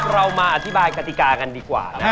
เรามาอธิบายกติกากันดีกว่านะ